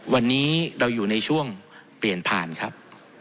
วันนี้เราอยู่ในช่วงเปลี่ยนผ่านครับ